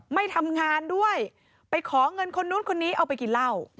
ไม่ทำงานด้วยไปขอเงินคนนู้นคนนี้เอาไปกินเหล้า